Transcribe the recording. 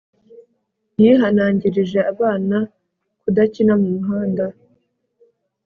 yihanangirije abana kudakina mu muhanda